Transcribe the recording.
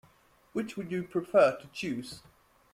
Which would you prefer to choose?